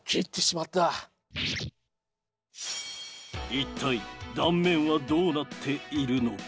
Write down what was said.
一体断面はどうなっているのか。